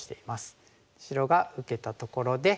白が受けたところでさあ